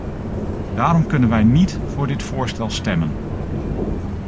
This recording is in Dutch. Daarom kunnen wij niet voor dit voorstel stemmen.